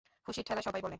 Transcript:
খুশির ঠেলায় সবাই বলে।